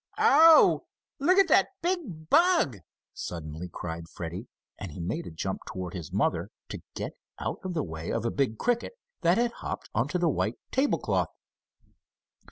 "Oh! Look at that big bug!" suddenly cried Freddie, and he made a jump toward his mother, to get out of the way of a big cricket that had hopped onto the white table cloth.